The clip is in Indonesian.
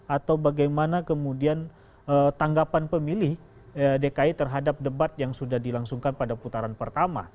atau bagaimana kemudian tanggapan pemilih dki terhadap debat yang sudah dilangsungkan pada putaran pertama